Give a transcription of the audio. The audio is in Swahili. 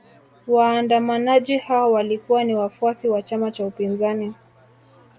Waandamanaji hao walikuwa ni wafuasi wa chama cha upinzani